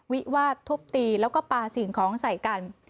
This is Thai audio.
วิวาดทุบตีแล้วก็ปลาสิ่งของใส่กัน